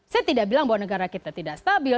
saya tidak bilang bahwa negara kita tidak stabil